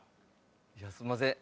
いやすいません。